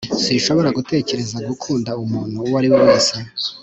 sinshobora gutekereza gukunda umuntu uwo ari we wese